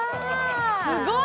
すごい！